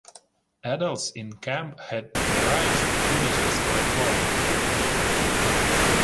Adults in camp had various opportunities for employment.